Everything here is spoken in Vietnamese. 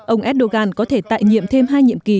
ông erdogan có thể tại nhiệm thêm hai nhiệm kỳ